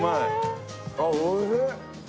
ああおいしい！